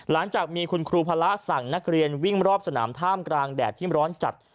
หลังจากมีคุณครูพระสั่งนักเรียนวิ่งรอบสนามท่ามกลางแดดที่ร้อนจัด